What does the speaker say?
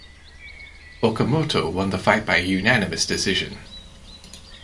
Okamoto won the fight by unanimous decision.